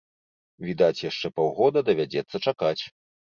Відаць, яшчэ паўгода давядзецца чакаць.